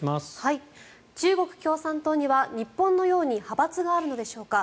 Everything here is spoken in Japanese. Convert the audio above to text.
中国共産党には日本のように派閥があるのでしょうか。